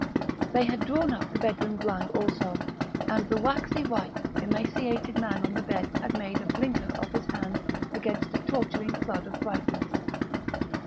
They had drawn up the bedroom blind also, and the waxy white, emaciated man on the bed had made a blinker of his hand against the torturing flood of brightness.